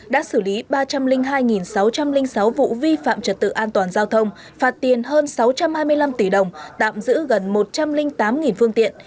đã xử lý ba trăm linh hai sáu trăm linh sáu vụ vi phạm trật tự an toàn giao thông phạt tiền hơn sáu trăm hai mươi năm tỷ đồng tạm giữ gần một trăm linh tám phương tiện